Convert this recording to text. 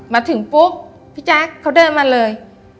มาถึงปุ๊บพี่แจ๊คเขาเดินมาเลย